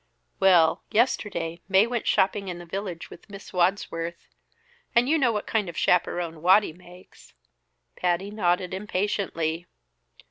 "Well, yesterday, Mae went shopping in the village with Miss Wadsworth and you know what kind of a chaperone Waddy makes." Patty nodded impatiently.